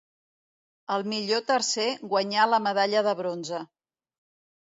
El millor tercer guanyà la medalla de bronze.